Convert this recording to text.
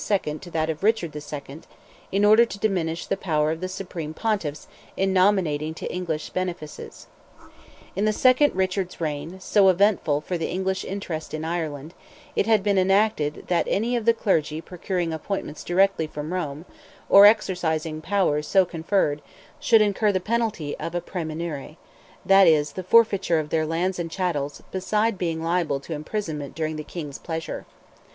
to that of Richard II., in order to diminish the power of the Supreme Pontiffs in nominating to English benefices. In the second Richard's reign, so eventful for the English interest in Ireland, it had been enacted that any of the clergy procuring appointments directly from Rome, or exercising powers so conferred, should incur the penalty of a praemunire—that is, the forfeiture of their lands and chattels, beside being liable to imprisonment during the King's pleasure.